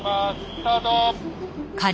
スタート。